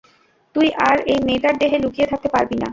তুই আর এই মেয়েটার দেহে লুকিয়ে থাকতে পারবি না!